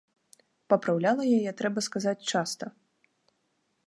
Папраўляла яе, трэба сказаць, часта.